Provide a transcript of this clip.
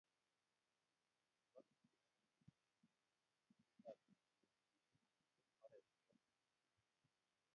nebo tai, teksetab oleginyoen biik, oret nebo sugul